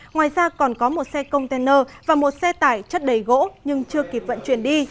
ngoài ra còn có một xe container và một xe tải chất đầy gỗ nhưng chưa kịp vận chuyển đi